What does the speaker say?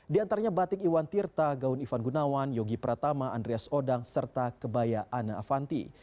di antaranya batik iwan tirta gaun ivan gunawan yogi pratama andreas odang serta kebaya ana avanti